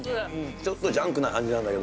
ちょっとジャンクの感じなんだけど。